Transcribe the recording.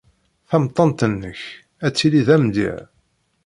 Tamettant-nnek ad tili d amedya.